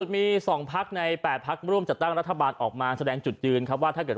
มีสองภักดิ์ในแปดภักดิ์ร่วมจัดตั้งรัฐบาลออกมาแสดงจุดยืนครับว่าถ้าเกิด